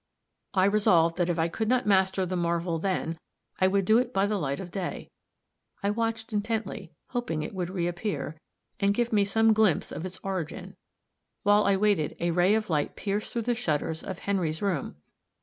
I resolved that if I could not master the marvel then, I would do it by the light of day. I watched intently, hoping it would reäppear, and give me some glimpse of its origin. While I waited, a ray of light pierced through the shutters of Henry's room.